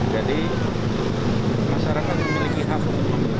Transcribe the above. jadi masyarakat memiliki hak untuk memiliki